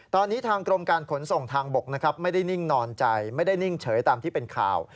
ตอนนี้ทางกรมการขนส่งทางบกนะครับไม่ได้นิ่งนอนใจไม่ได้นิ่งเฉยตามที่เป็นข่าว